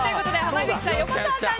濱口さん。